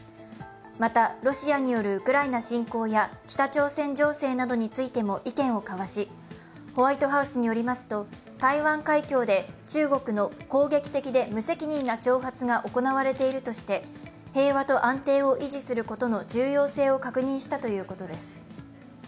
またロシアによるウクライナ侵攻や北朝鮮情勢などについても意見を交わしホワイトハウスによりますと、台湾海峡で中国の攻撃的で無責任な挑発が行われているとして、平和と安定を維持することの重要性を確認したということです。